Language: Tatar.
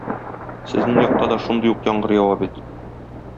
Сезнең якта да шундый ук яңгыр ява бит.